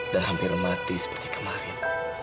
dan hampir mati seperti kemarin